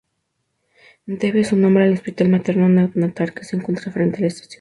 Debe su nombre al Hospital Materno Neonatal que se encuentra frente a la estación.